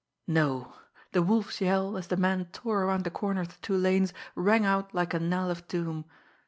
No! The Wolf's yell, as the man tore around the corner of the two lanes, rang out like a knell of doom.